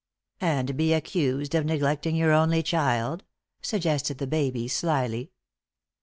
"And be accused of neglecting your only child," suggested the baby, slyly.